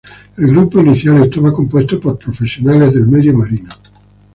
El grupo inicial estaba compuesto por profesionales del medio marino.